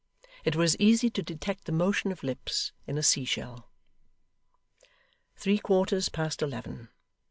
It were as easy to detect the motion of lips in a sea shell. Three quarters past eleven!